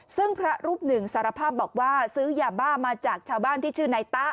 ซึ่งพระรูปหนึ่งสารภาพบอกว่าซื้อยาบ้ามาจากชาวบ้านที่ชื่อนายตะ